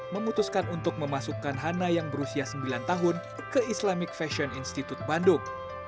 memutuskan untuk memasukkan hana yang berusia sembilan tahun ke islamic fashion institute bandung